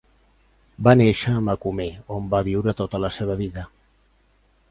Va néixer a Macomer, on va viure tota la seva vida.